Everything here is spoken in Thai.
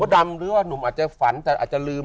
ดำหรือว่านุ่มอาจจะฝันแต่อาจจะลืม